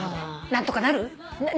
何とかなる？